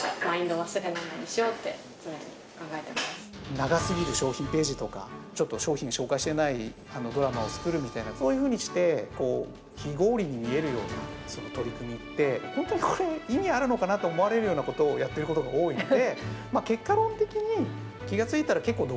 長すぎる商品ページとか商品を紹介していないドラマを作るとかそういうふうにして非合理に見える取り組みって本当にこれ、意味あるのかなと思われることをやっていることもあるので。